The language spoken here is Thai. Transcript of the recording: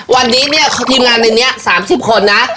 วันนี้เนี้ยทีมงานในนี้สามสิบคนนะอ่ะ